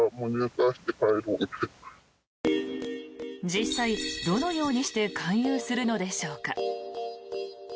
実際、どのようにして勧誘するのでしょうか。